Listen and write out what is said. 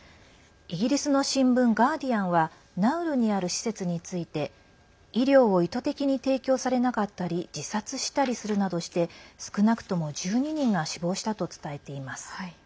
イギリスの新聞ガーディアンはナウルにある施設について医療を意図的に提供されなかったり自殺したりするなどして少なくとも１２人が死亡したと伝えています。